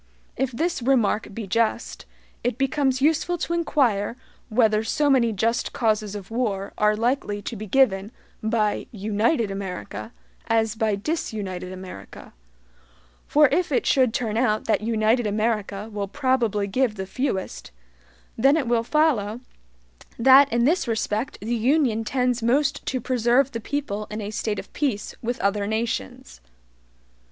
If this remark be just, it becomes useful to inquire whether so many JUST causes of war are likely to be given by UNITED AMERICA as by DISUNITED America; for if it should turn out that United America will probably give the fewest, then it will follow that in this respect the Union tends most to preserve the people in a state of peace with other nations.